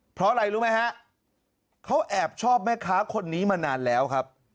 เพราะอะไรรู้ไหมฮะเขาแอบชอบแม่ค้าคนนี้มานานแล้วครับ